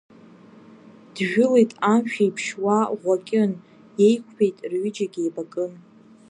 Джәылеит амшә еиԥш уа Ӷәакьын, иеиқәԥеит рҩыџьагь еибакын…